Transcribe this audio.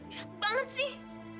jahat banget sih